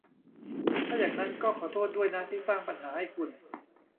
ถ้าอย่างนั้นก็ขอโทษด้วยนะที่สร้างปัญหาให้คุณ